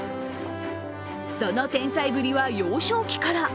その天才ぶりは幼少期から。